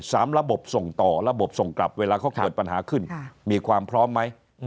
ระบบส่งต่อระบบส่งกลับเวลาเขาเกิดปัญหาขึ้นมีความพร้อมไหม